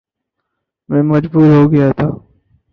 میں مجبور ہو گیا تھا